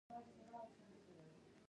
خوار په هندوستان هم خوار دی یو هنري متل دی